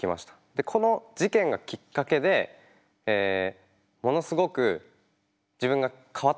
でこの事件がきっかけでものすごく自分が変わったっていうのがあったんですね。